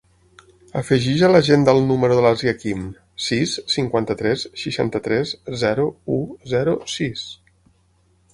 Afegeix a l'agenda el número de l'Asia Kim: sis, cinquanta-tres, seixanta-tres, zero, u, zero, sis.